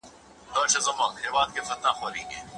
تعليم د ټولني پرمختګ سره تړاو لري.